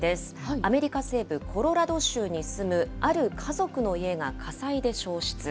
アメリカ西部コロラド州に住むある家族の家が火災で焼失。